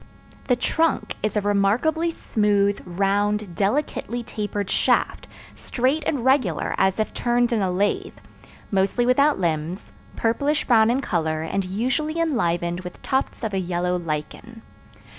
The trunk is a remarkably smooth, round, delicately tapered shaft, straight and regular as if turned in a lathe, mostly without limbs, purplish brown in color and usually enlivened with tufts of a yellow lichen.